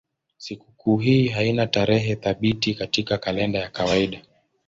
Sikukuu hii haina tarehe thabiti katika kalenda ya kawaida.